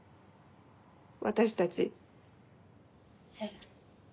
私たちえっ？